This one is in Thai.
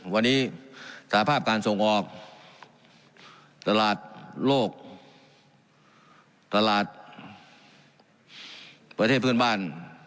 วันนี้สภาพการส่งออกตลาดโลกตลาดประเทศเพื่อนบ้าน